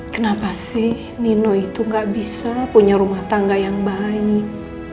kenapa sih nino itu gak bisa punya rumah tangga yang baik